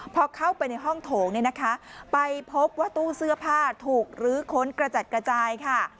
พอเข้าไปในห้องโถงเนี่ยนะคะไปพบว่าตู้เสื้อผ้าถูกลื้อค้นกระจัดกระจายค่ะ